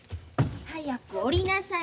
早く下りなさい！